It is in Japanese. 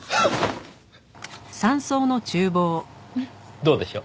どうでしょう？